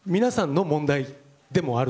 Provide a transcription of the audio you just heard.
だから、皆さんの問題でもある。